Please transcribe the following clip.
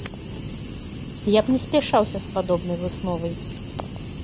Я б не спяшаўся з падобнай высновай.